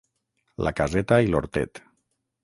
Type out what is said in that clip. La caseta i l'hortet.